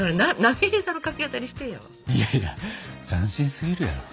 いやいや斬新すぎるやろ。